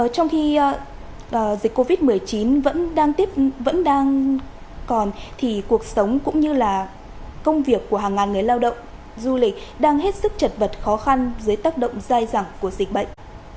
trong khi dịch covid một mươi chín vẫn đang còn thì cuộc sống cũng như là công việc của hàng ngàn người lao động du lịch đang hết sức chật vật khó khăn dưới tác động dai dẳng của dịch bệnh